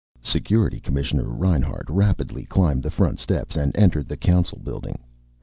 Security Commissioner Reinhart rapidly climbed the front steps and entered the Council building.